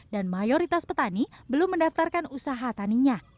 dan mayoritas petani belum mendaftarkan usaha taninya